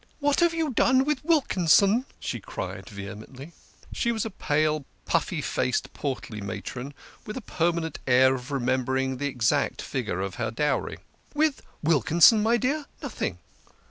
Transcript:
"What have you done with Wilkinson?" she cried vehe mently. She was a pale, puffy faced, portly matron, with a permanent air of remembering the exact figure of her dowry. "With Wilkinson, my dear? Nothing."